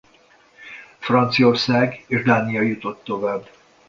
Franciaország és Dánia jutott tovább.